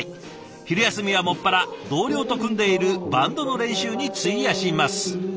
昼休みは専ら同僚と組んでいるバンドの練習に費やします。